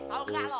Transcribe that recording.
tau gak lo